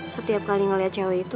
setiap kali ngeliat cewek itu